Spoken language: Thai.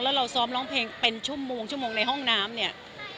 แล้วเราซ้อมร้องเพลงเป็นชั่วโมงชั่วโมงในห้องน้ำเนี่ย